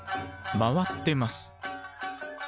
回ってます！